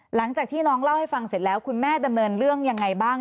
หลังจากที่น้องเล่าให้ฟังเสร็จแล้วคุณแม่ดำเนินเรื่องยังไงบ้าง